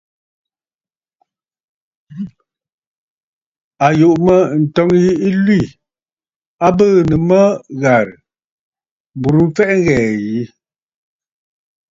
À yùʼù mə̂, ǹtɔ̂ŋ yi ɨ lwî, a bɨɨ̀nə̀ mə ghàrə̀, m̀burə mfɛʼɛ ghɛ̀ɛ̀ ƴi.